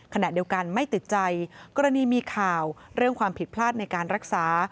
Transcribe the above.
ขณะเดียวกันไม่ติดใจกรณีมีข่าวเรื่องความผิดพลาดในการรักษา